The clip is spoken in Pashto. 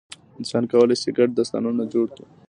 انسان کولی شي ګډ داستانونه جوړ کړي.